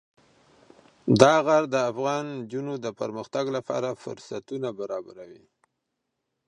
دا غر د افغان نجونو د پرمختګ لپاره فرصتونه برابروي.